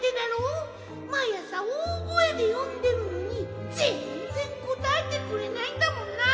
まいあさおおごえでよんでるのにぜんぜんこたえてくれないんだもんな。